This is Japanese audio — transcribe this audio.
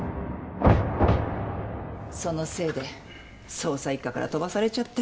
そのせいで捜査一課から飛ばされちゃって。